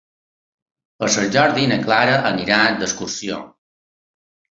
Per Sant Jordi na Clara anirà d'excursió.